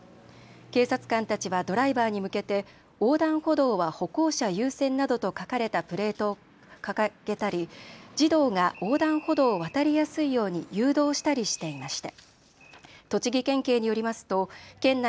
警察官たちはドライバーに向けて横断歩道は歩行者優先などと書かれたプレートを掲げたり児童が横断歩道を渡りやすいように誘導したりしていました。